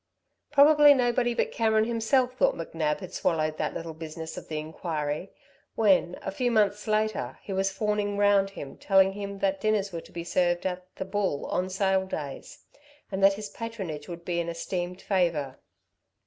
Probably nobody but Cameron himself thought McNab had swallowed that little business of the inquiry when, a few months later, he was fawning round him, telling him that dinners were to be served at the "Bull" on sale days, and that his patronage would be an esteemed favour.